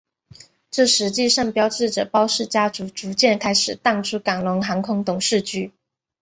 这实际上标志着包氏家族逐渐开始淡出港龙航空董事局。